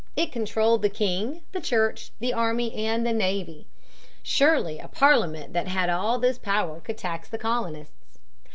It controlled the king, the church, the army, and the navy. Surely a Parliament that had all this power could tax the colonists.